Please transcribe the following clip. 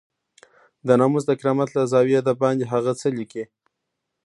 د ناموس د کرامت له زاويې دباندې هغه څه ليکي.